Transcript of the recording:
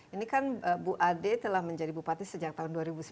ini kan bu ade telah menjadi bupati sejak tahun dua ribu sembilan belas ya